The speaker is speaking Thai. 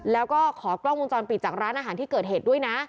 แล้วก็ขอกล้องวงจรปิดจากร้านอาหารที่เกิดเหตุด้วยนะ